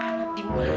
anak di mana sih